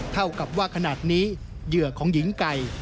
เท่ากับว่าขนาดนี้เหยื่อของหญิงไก่